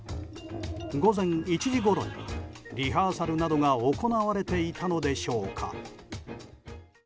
午前１時ごろにリハーサルなどが行われていたのでしょうか。